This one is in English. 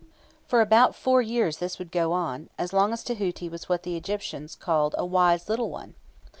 For about four years this would go on, as long as Tahuti was what the Egyptians called "a wise little one."